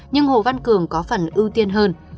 nhưng hồ văn cường có phần ưu tiên hơn